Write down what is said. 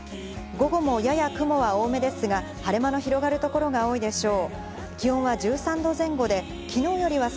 午後も、やや雲は多めですが、晴れ間の広がる所が多いでしょう。